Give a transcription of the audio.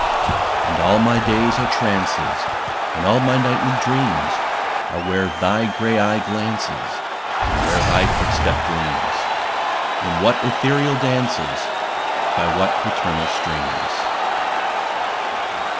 And all my days are trances, And all my nightly dreams Are where thy dark eye glances, And where thy footstep gleamsâ In what ethereal dances, By what eternal streams.